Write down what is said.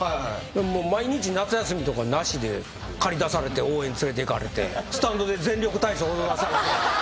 毎日夏休みとかなしで駆り出されて応援連れていかれてスタンドで全力体操踊らされて。